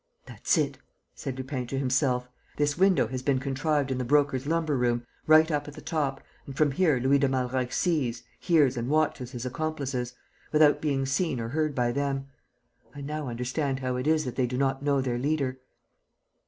"That's it," said Lupin to himself. "This window has been contrived in the Broker's lumber room, right up at the top, and from here Louis de Malreich sees, hears and watches his accomplices, without being seen or heard by them. I now understand how it is that they do not know their leader."